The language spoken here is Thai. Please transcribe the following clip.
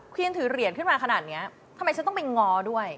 วีนถือเหรียญขึ้นมาขนาดนี้ทำไมฉันต้องไปง้อด้วย